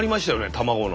卵の。